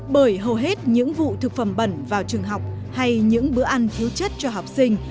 bởi hầu hết những vụ thực phẩm bẩn vào trường học hay những bữa ăn thiếu chất cho học sinh